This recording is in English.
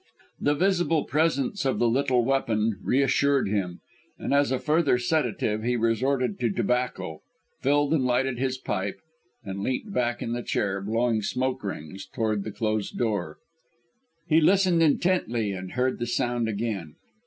The visible presence of the little weapon reassured him; and, as a further sedative, he resorted to tobacco, filled and lighted his pipe, and leant back in the chair, blowing smoke rings towards the closed door. He listened intently and heard the sound again.